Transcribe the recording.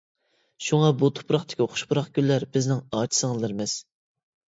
شۇڭا بۇ تۇپراقتىكى خۇش پۇراق گۈللەر بىزنىڭ ئاچا-سىڭىللىرىمىز.